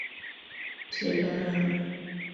Tienda rama